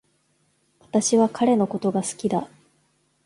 私は彼のことが好きだ